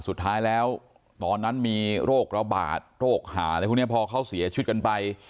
สุดท้ายแล้วตอนนั้นมีโรคระบาดโรคหาแล้วพรุ่งเนี้ยพอเขาเสียชุดกันไป